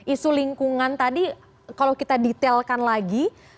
isu lingkungan tadi kalau kita detailkan lagi